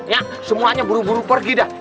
ya semuanya buru buru pergi dah